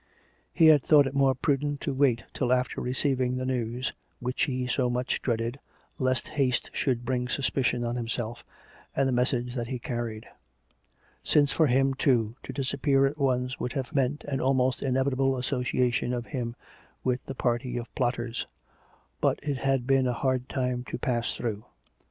He had thought it more prudent to wait till after receiv ing the news, which he so much dreaded, lest haste should bring suspicion on himself, and the message that he carried ; since for him, too, to disappear at once would have meant an almost inevitable association of him with the party of plotters; but it had been a hard time to pass through.